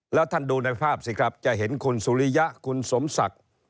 แล้วท่านดูในภาพสิครับจะเห็นคุณสุริยะคุณสมศักดิ์